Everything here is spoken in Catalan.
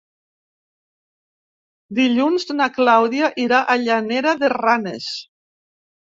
Dilluns na Clàudia irà a Llanera de Ranes.